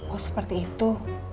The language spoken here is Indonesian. oh seperti itu